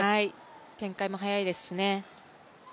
展開も早いですしね。